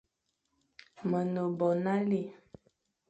Me ne bo nale,